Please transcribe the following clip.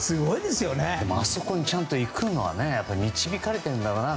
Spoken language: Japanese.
あそこにちゃんといくのは導かれているんだろうな。